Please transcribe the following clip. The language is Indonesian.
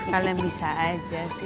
kalian bisa aja sih